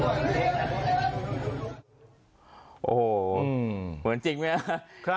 โหเหมือนจริงมั้ยครับ